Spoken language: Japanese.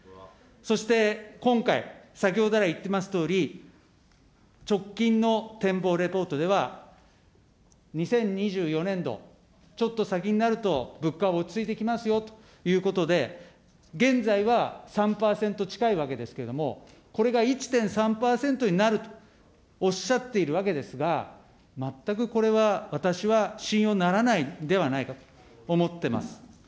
そして今回、先ほど来言ってますとおり、直近の展望レポートでは、２０２４年度、ちょっと先になると、物価は落ち着いてきますよということで、現在は３％近いわけですけれども、これが１．３％になるとおっしゃっているわけですが、全くこれは私は信用ならないんではないかと思ってます。